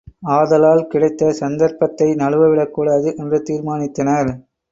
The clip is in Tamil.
ஆதலால் கிடைத்த சந்தர்ப்பத்தை நழுவ விடக்கூடாது என்று தீர்மானித்தனர்.